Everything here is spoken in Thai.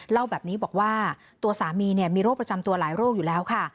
เล่าแบบนี้บอกว่าตัวสามีมีโรคประจำตัวหลายโรคอยู่แล้วค่ะ